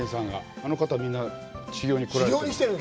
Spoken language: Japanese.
あの方、みんな修業に来られた方。